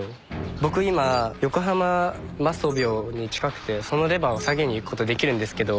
僕今横濱媽祖廟に近くてそのレバーを下げに行くことできるんですけど。